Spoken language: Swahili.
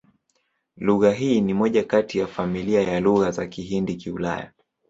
Lugha hii ni moja kati ya familia ya Lugha za Kihindi-Kiulaya.